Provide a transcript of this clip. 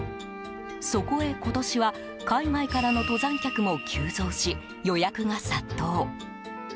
そこへ今年は海外からの登山客も急増し予約が殺到。